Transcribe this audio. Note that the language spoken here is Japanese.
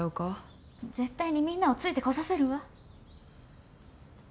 絶対にみんなをついてこさせるわ。